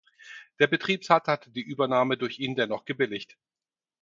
Der Betriebsrat hatte die Übernahme durch ihn dennoch gebilligt.